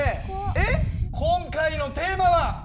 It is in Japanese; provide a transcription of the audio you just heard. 今回のテーマは！